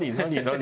何？